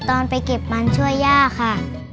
ตอนไปเก็บมันช่วยย่าค่ะ